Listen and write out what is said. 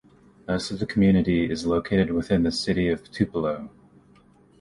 Most of the community is located within the city of Tupelo.